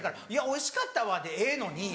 「おいしかったわ」でええのに。